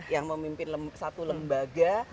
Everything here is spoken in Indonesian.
yang memimpin satu lembaga